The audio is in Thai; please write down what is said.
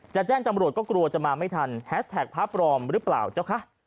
แจ้งตำรวจก็กลัวจะมาไม่ทันแฮสแท็กพระปลอมหรือเปล่าเจ้าคะ